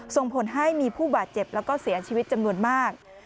ส่งผลให้มีผู้บาดเจ็บแล้วก็เสียชีวิตจำนวนมาก